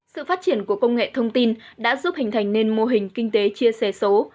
sự phát triển của công nghệ thông tin đã giúp hình thành nên mô hình kinh tế chia sẻ số